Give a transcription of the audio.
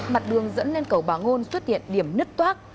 mặt đường dẫn lên cầu bà ngôn xuất hiện điểm nứt toác